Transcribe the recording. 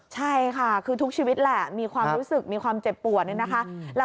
ใช่ค่ะคือทุกชีวิตแหละมีความรู้สึกมีความเจ็บปวดเนี่ยนะคะ